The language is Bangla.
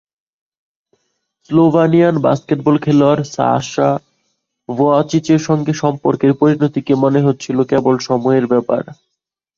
স্লোভানিয়ান বাস্কেটবল খেলোয়াড় সাশা ভুয়াচিচের সঙ্গে সম্পর্কের পরিণতিকে মনে হচ্ছিল কেবল সময়ের ব্যাপার।